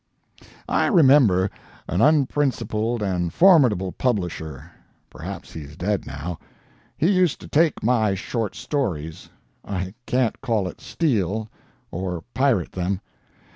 "I remember an unprincipled and formidable publisher. Perhaps he's dead now. He used to take my short stories—I can't call it steal or pirate them.